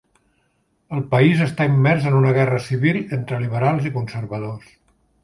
El país està immers en una guerra civil entre liberals i conservadors.